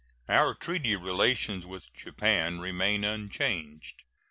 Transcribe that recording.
Our treaty relations with Japan remain unchanged.